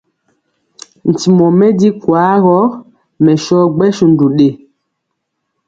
Ntimɔ mɛ di kwaa gɔ, mɛ sɔ gbɛsundu ɗe.